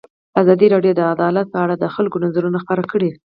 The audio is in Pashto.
ازادي راډیو د عدالت په اړه د خلکو نظرونه خپاره کړي.